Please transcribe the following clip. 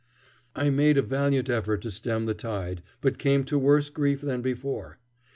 I made a valiant effort to stem the tide, but came to worse grief than before.